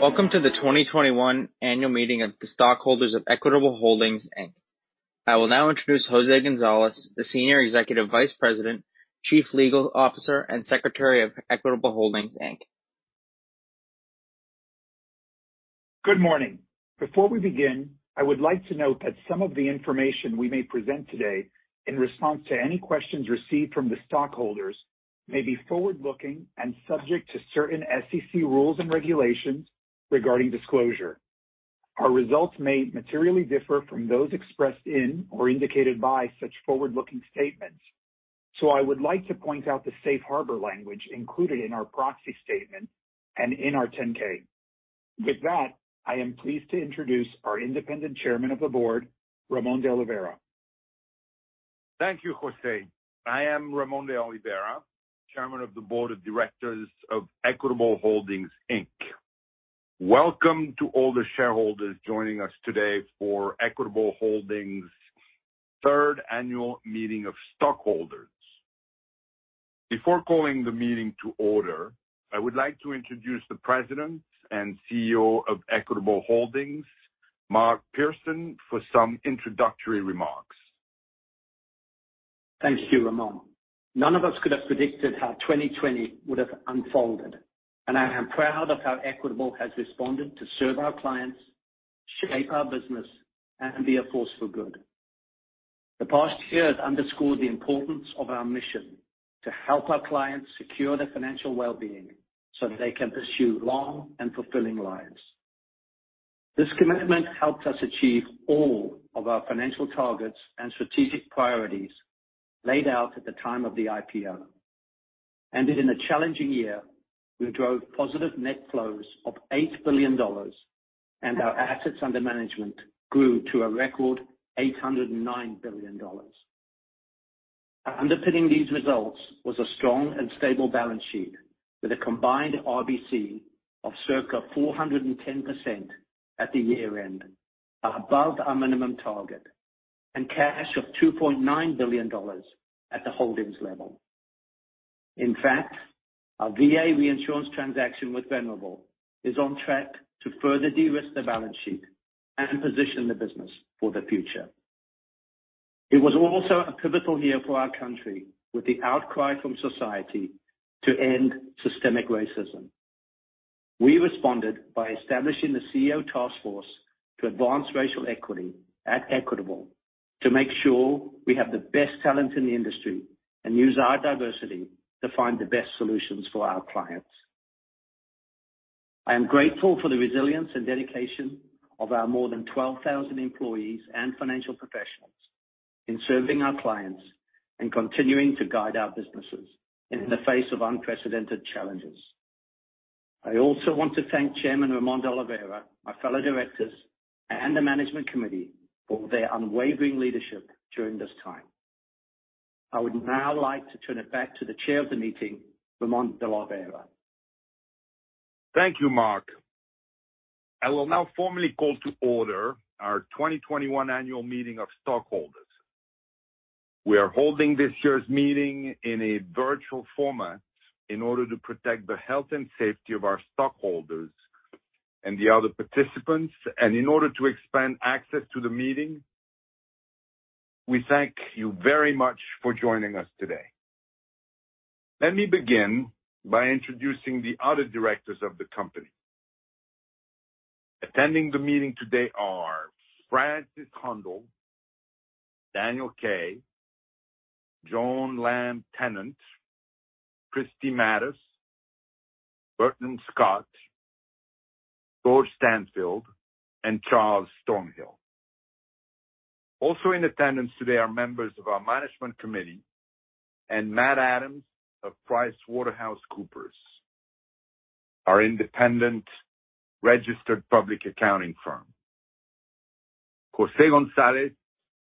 Welcome to the 2021 annual meeting of the stockholders of Equitable Holdings, Inc. I will now introduce Jose Gonzalez, the Senior Executive Vice President, Chief Legal Officer, and Secretary of Equitable Holdings, Inc. Good morning. Before we begin, I would like to note that some of the information we may present today in response to any questions received from the stockholders may be forward-looking and subject to certain SEC rules and regulations regarding disclosure. Our results may materially differ from those expressed in or indicated by such forward-looking statements. I would like to point out the safe harbor language included in our proxy statement and in our 10-K. With that, I am pleased to introduce our Independent Chairman of the Board, Ramon de Oliveira. Thank you, Jose. I am Ramon de Oliveira, Chairman of the Board of Directors of Equitable Holdings, Inc. Welcome to all the shareholders joining us today for Equitable Holdings third annual meeting of stockholders. Before calling the meeting to order, I would like to introduce the President and CEO of Equitable Holdings, Mark Pearson, for some introductory remarks. Thank you, Ramon. None of us could have predicted how 2020 would have unfolded, and I am proud of how Equitable has responded to serve our clients, shape our business, and be a force for good. The past year has underscored the importance of our mission to help our clients secure their financial well-being so that they can pursue long and fulfilling lives. This commitment helped us achieve all of our financial targets and strategic priorities laid out at the time of the IPO. In a challenging year, we drove positive net flows of $8 billion, and our assets under management grew to a record $809 billion. Underpinning these results was a strong and stable balance sheet with a combined RBC of circa 410% at the year-end, above our minimum target, and cash of $2.9 billion at the holdings level. In fact, our VA reinsurance transaction with Venerable is on track to further de-risk the balance sheet and position the business for the future. It was also a pivotal year for our country with the outcry from society to end systemic racism. We responded by establishing the CEO Task Force to Advance Racial Equity at Equitable to make sure we have the best talent in the industry and use our diversity to find the best solutions for our clients. I am grateful for the resilience and dedication of our more than 12,000 employees and financial professionals in serving our clients and continuing to guide our businesses in the face of unprecedented challenges. I also want to thank Chairman Ramon de Oliveira, my fellow directors, and the management committee for their unwavering leadership during this time. I would now like to turn it back to the chair of the meeting, Ramon de Oliveira. Thank you, Mark. I will now formally call to order our 2021 annual meeting of stockholders. We are holding this year's meeting in a virtual format in order to protect the health and safety of our stockholders and the other participants, and in order to expand access to the meeting. We thank you very much for joining us today. Let me begin by introducing the other directors of the company. Attending the meeting today are Francis Hondal, Daniel Kaye, Joan Lamm-Tennant, Kristi Matus, Bertram Scott, George Stansfield, and Charles Stonehill. Also in attendance today are members of our management committee and Matt Adams of PricewaterhouseCoopers, our independent registered public accounting firm. Jose Gonzalez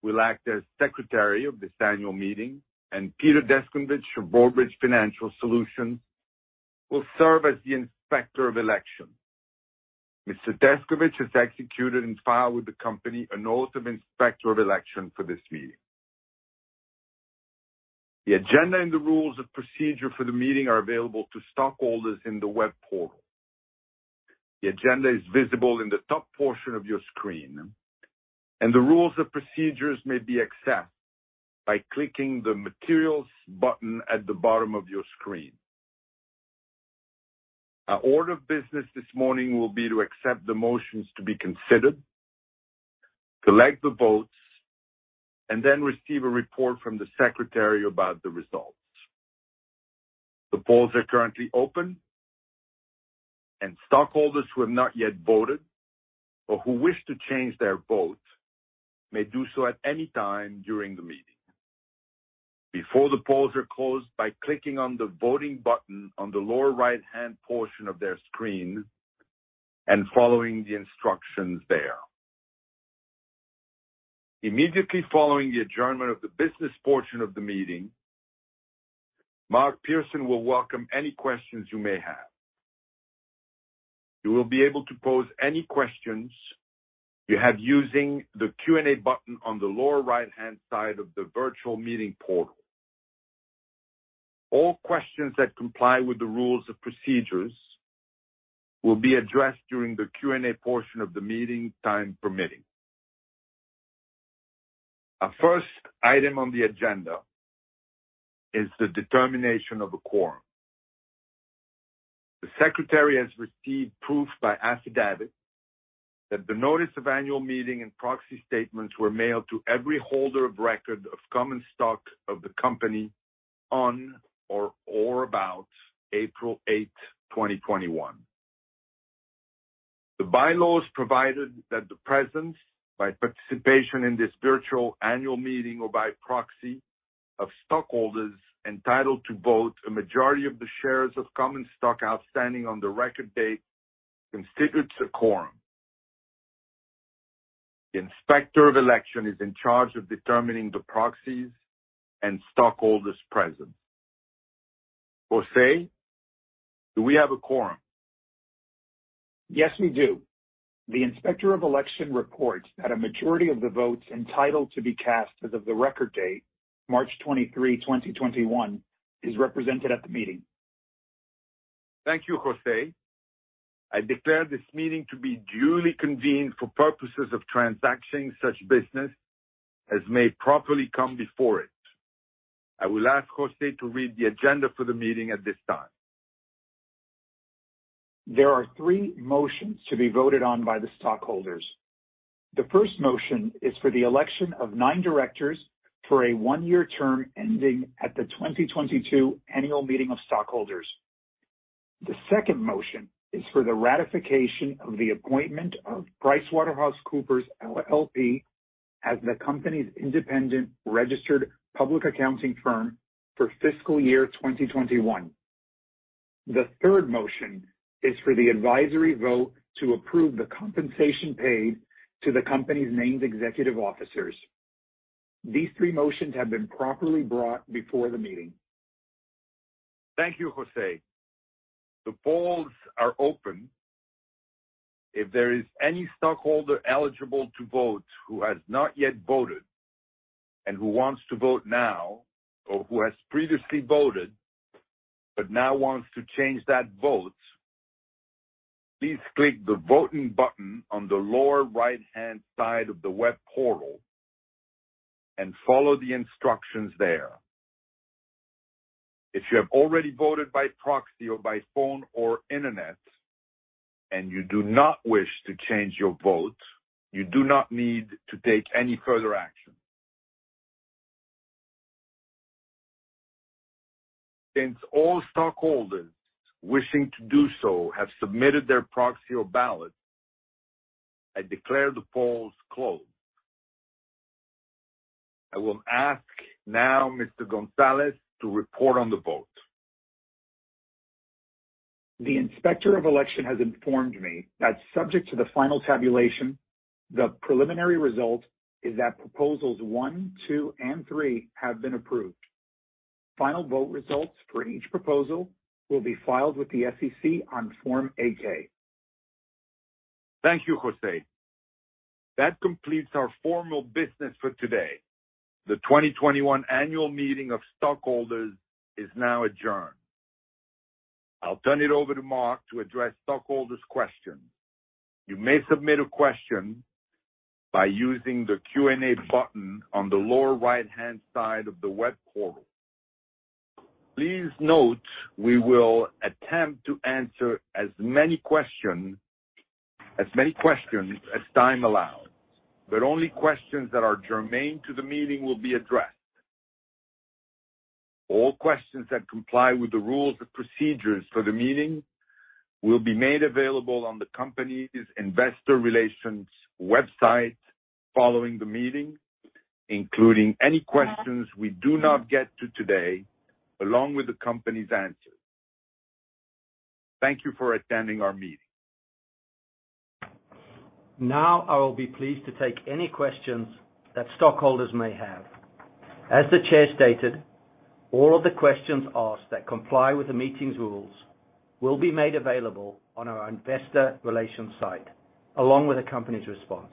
will act as secretary of this annual meeting, and Peter Deskovich of Broadridge Financial Solutions will serve as the inspector of election. Mr. Deskovich has executed and filed with the company an oath of inspector of election for this meeting. The agenda and the rules of procedure for the meeting are available to stockholders in the web portal. The agenda is visible in the top portion of your screen, and the rules and procedures may be accessed by clicking the Materials button at the bottom of your screen. Our order of business this morning will be to accept the motions to be considered, collect the votes, and then receive a report from the secretary about the results. The polls are currently open, and stockholders who have not yet voted or who wish to change their vote may do so at any time during the meeting before the polls are closed by clicking on the Voting button on the lower right-hand portion of their screen and following the instructions there. Immediately following the adjournment of the business portion of the meeting, Mark Pearson will welcome any questions you may have. You will be able to pose any questions you have using the Q&A button on the lower right-hand side of the virtual meeting portal. All questions that comply with the rules and procedures will be addressed during the Q&A portion of the meeting, time permitting. Our first item on the agenda is the determination of a quorum. The Secretary has received proof by affidavit that the notice of annual meeting and proxy statements were mailed to every holder of record of common stock of the company on or about April 8th, 2021. The bylaws provided that the presence, by participation in this virtual annual meeting or by proxy of stockholders entitled to vote a majority of the shares of common stock outstanding on the record date, constitutes a quorum. The Inspector of Election is in charge of determining the proxies and stockholders present. Jose, do we have a quorum? Yes, we do. The Inspector of Election reports that a majority of the votes entitled to be cast as of the record date, March 23, 2021, is represented at the meeting. Thank you, Jose. I declare this meeting to be duly convened for purposes of transacting such business as may properly come before it. I will ask Jose to read the agenda for the meeting at this time. There are three motions to be voted on by the stockholders. The first motion is for the election of nine directors for a one-year term ending at the 2022 Annual Meeting of Stockholders. The second motion is for the ratification of the appointment of PricewaterhouseCoopers LLP as the company's independent registered public accounting firm for fiscal year 2021. The third motion is for the advisory vote to approve the compensation paid to the company's named executive officers. These three motions have been properly brought before the meeting. Thank you, Jose. The polls are open. If there is any stockholder eligible to vote who has not yet voted and who wants to vote now, or who has previously voted but now wants to change that vote, please click the voting button on the lower right-hand side of the web portal and follow the instructions there. If you have already voted by proxy or by phone or internet, and you do not wish to change your vote, you do not need to take any further action. Since all stockholders wishing to do so have submitted their proxy or ballot, I declare the polls closed. I will ask now Mr. Gonzalez to report on the vote. The Inspector of Election has informed me that subject to the final tabulation, the preliminary result is that proposals 1, 2, and 3 have been approved. Final vote results for each proposal will be filed with the SEC on Form 8-K. Thank you, Jose. That completes our formal business for today. The 2021 Annual Meeting of Stockholders is now adjourned. I'll turn it over to Mark to address stockholders' questions. You may submit a question by using the Q&A button on the lower right-hand side of the web portal. Please note, we will attempt to answer as many questions as time allows, but only questions that are germane to the meeting will be addressed. All questions that comply with the rules and procedures for the meeting will be made available on the company's investor relations website following the meeting, including any questions we do not get to today, along with the company's answers. Thank you for attending our meeting. Now I will be pleased to take any questions that stockholders may have. As the Chair stated, all of the questions asked that comply with the meeting's rules will be made available on our investor relations site, along with the company's response.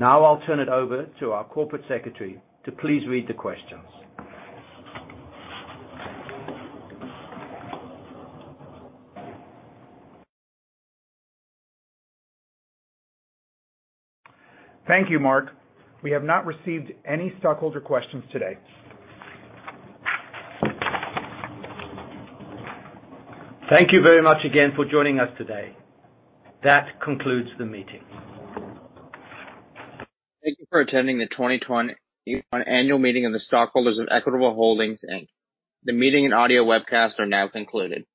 Now I'll turn it over to our Corporate Secretary to please read the questions. Thank you, Mark. We have not received any stockholder questions today. Thank you very much again for joining us today. That concludes the meeting. Thank you for attending the 2021 Annual Meeting of the Stockholders of Equitable Holdings, Inc. The meeting and audio webcast are now concluded.